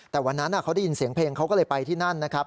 แต่วันนั้นเขาได้ยินเสียงเพลงเขาก็เลยไปที่นั่นนะครับ